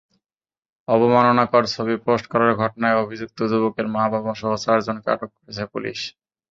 অবমাননাকর ছবি পোস্ট করার ঘটনায় অভিযুক্ত যুবকের মা-বাবাসহ চারজনকে আটক করেছে পুলিশ।